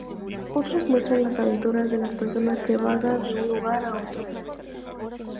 Otros muestran las aventuras de las personas que vagan de un lugar a otro.